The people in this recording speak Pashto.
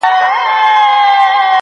اوس ولي نه وايي چي ښار نه پرېږدو_